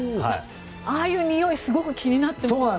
ああいうにおいすごく気になってました。